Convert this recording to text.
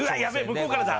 向こうからだ！